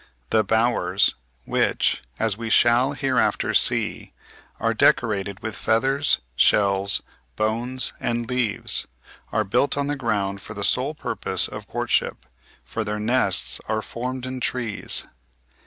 The bowers (Fig. 46), which, as we shall hereafter see, are decorated with feathers, shells, bones, and leaves, are built on the ground for the sole purpose of courtship, for their nests are formed in trees.